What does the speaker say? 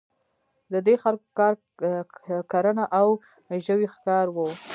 د دې خلکو کار کرنه او ژویو ښکار وو.